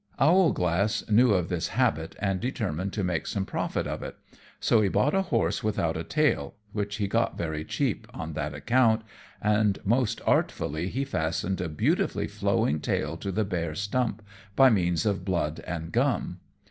Owlglass knew of this habit, and determined to make some profit of it, so he bought a horse without a tail, which he got very cheap on that account, and most artfully he fastened a beautifully flowing tail to the bare stump, by means of blood and gum.